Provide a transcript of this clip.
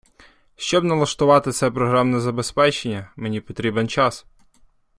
Щоб налаштувати це програмне забезпечення, мені потрібен час.